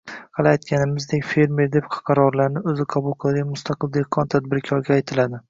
Hali aytganimizdek, «fermer» deb qarorlarni o‘zi qabul qiladigan mustaqil dehqon-tadbirkorga aytiladi.